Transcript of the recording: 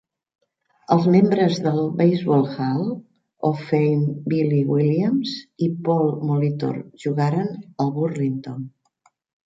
Els membres del Baseball Hall of Fame Billy Williams i Paul Molitor jugaren al Burlington.